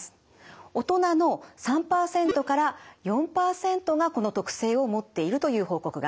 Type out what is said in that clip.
大人の３％から４％がこの特性を持っているという報告があります。